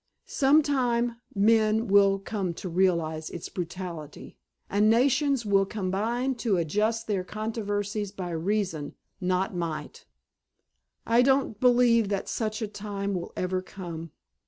Sometime men will come to realize its brutality and nations will combine to adjust their controversies by reason, not might." "I don't believe that such a time will ever come.